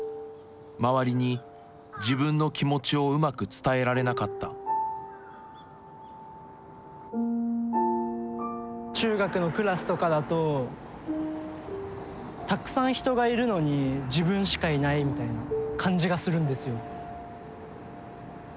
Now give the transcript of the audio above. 周りに自分の気持ちをうまく伝えられなかった中学のクラスとかだとたくさん人がいるのに自分しかいないみたいな感じがするんですよ。